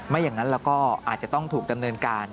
อย่างนั้นเราก็อาจจะต้องถูกดำเนินการ